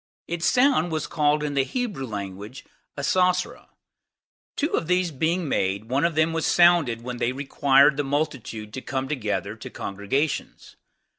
Its sound was called in the Hebrew tongue Asosra. Two of these being made, one of them was sounded when they required the multitude to come together to congregations.